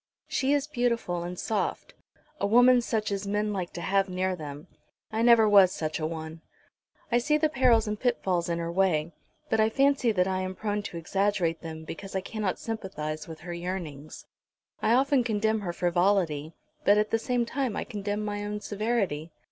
She is beautiful and soft, a woman such as men like to have near them. I never was such a one. I see the perils and pitfalls in her way; but I fancy that I am prone to exaggerate them, because I cannot sympathise with her yearnings. I often condemn her frivolity, but at the same time I condemn my own severity.